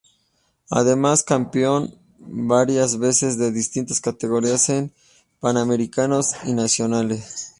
Además campeón varias veces de distintas categorías en panamericanos y Nacionales.